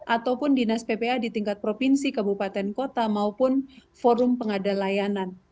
ataupun dinas p tiga a di tingkat provinsi kebupaten kota maupun forum pengadal layanan